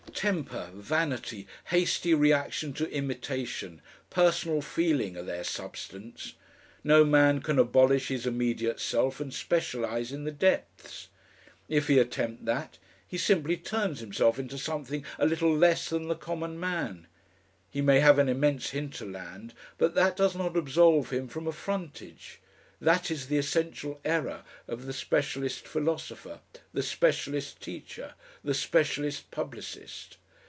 Temper, vanity, hasty reaction to imitation, personal feeling, are their substance. No man can abolish his immediate self and specialise in the depths; if he attempt that, he simply turns himself into something a little less than the common man. He may have an immense hinterland, but that does not absolve him from a frontage. That is the essential error of the specialist philosopher, the specialist teacher, the specialist publicist.